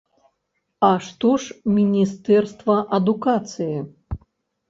А што ж міністэрства адукацыі?